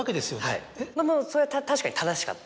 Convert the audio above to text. はいそれは確かに正しかった。